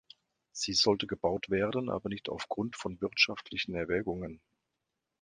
Sie sollte gebaut werden, aber nicht aufgrund von wirtschaftlichen Erwägungen.